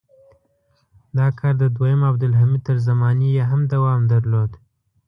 دا کار د دویم عبدالحمید تر زمانې یې هم دوام درلود.